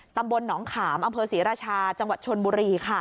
ตำบลหนองขามอำเภอศรีราชาจังหวัดชนบุรี